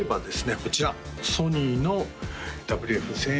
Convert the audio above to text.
こちらソニーのＷＦ−１０００